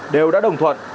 đều đã đồng thuận